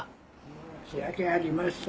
「申し訳ありません」